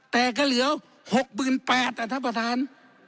แต่ก็เหลือหกหมื่นแปดอ่ะท่านประธาน